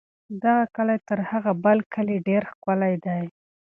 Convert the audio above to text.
دغه کلی تر هغه بل کلي ډېر ښکلی دی.